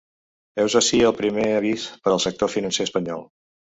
Heus ací el primer avís per al sector financer espanyol.